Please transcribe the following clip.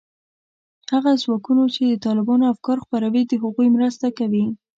هغه ځواکونو چې د طالبانو افکار خپروي، د هغوی مرسته کوي